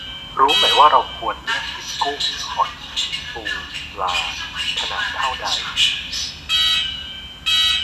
รู้ไหมว่าเราควรเลือกกินกุ้ง หอย ปู ปลา ขนาดเท่าใด